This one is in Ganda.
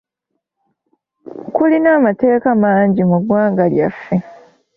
Kulina amateeka mangi mu ggwanga lyaffe.